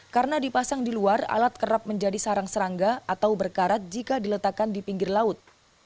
karena dipasang di luar alat kerap menjadi sarang serangga atau berkarat jika diletakkan di pinggir laut